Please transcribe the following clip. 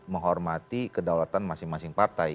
menghormati kedaulatan masing masing partai